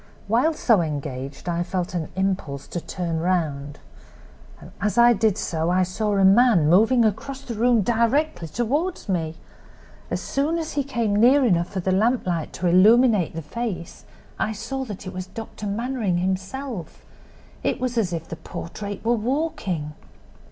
While so engaged I felt an impulse to turn round. As I did so I saw a man moving across the room directly toward me! As soon as he came near enough for the lamplight to illuminate the face I saw that it was Dr. Mannering himself; it was as if the portrait were walking!